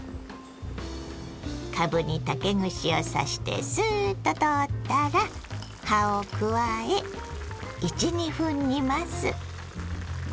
かぶに竹串を刺してスーッと通ったら葉を加え１２分煮ます。